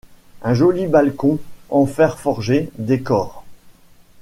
Un joli balcon en fer forgé décore.